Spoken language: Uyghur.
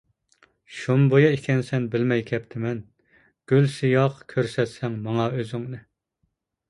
شۇمبۇيا ئىكەنسەن بىلمەي كەپتىمەن، گۈل سىياق كۆرسەتسەڭ ماڭا ئۆزۈڭنى.